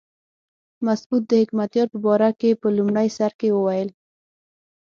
مسعود د حکمتیار په باره کې په لومړي سر کې وویل.